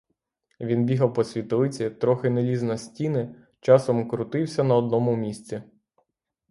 Він бігав по світлиці, трохи не ліз на стіни, часом крутився на одному місці.